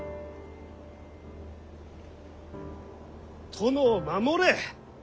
殿を守れ。